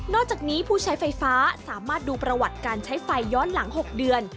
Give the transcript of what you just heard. จากนี้ผู้ใช้ไฟฟ้าสามารถดูประวัติการใช้ไฟย้อนหลัง๖เดือน